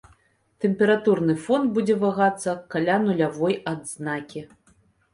Тэмпературны фон будзе вагацца каля нулявой адзнакі.